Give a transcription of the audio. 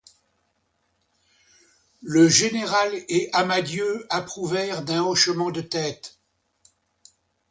Le général et Amadieu approuvèrent d'un hochement de tête.